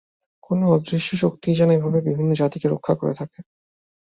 কোন অদৃশ্য শক্তিই যেন এইভাবে বিভিন্ন জাতিকে রক্ষা করে থাকে।